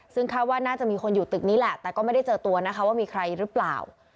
ซึ่งคาดว่าน่าจะมีคนอยู่ตึกนี้แหละแต่ก็ไม่ได้เจอตัวนะคะว่ามีใครหรือเปล่า